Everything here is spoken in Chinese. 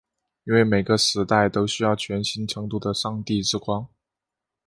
因为每个时代都需要全新程度的上帝之光。